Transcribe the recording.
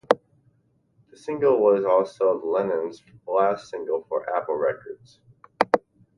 The single was also Lennon's last single for Apple Records.